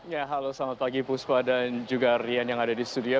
ya halo selamat pagi puspa dan juga rian yang ada di studio